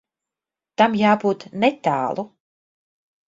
Tam jābūt netālu.